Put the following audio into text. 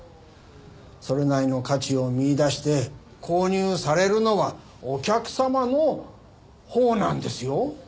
それなりの価値を見いだして購入されるのはお客様のほうなんですよ。